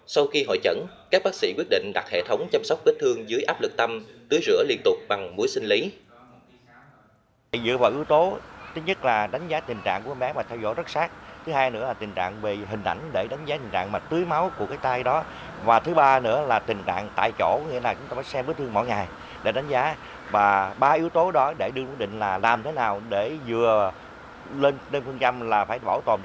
sau khi hội chẩn các bác sĩ quyết định đặt hệ thống chăm sóc vết thương dưới áp lực tâm tưới rửa liên tục bằng mũi sinh lý